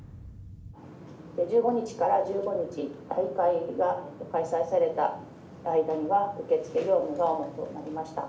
１５日から１５日大会が開催された間には受付業務が主となりました。